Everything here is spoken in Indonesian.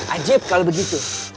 ajib kalau begitu